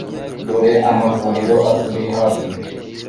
Dore amavuriro aturi hafi